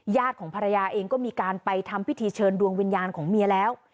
ของภรรยาเองก็มีการไปทำพิธีเชิญดวงวิญญาณของเมียแล้ว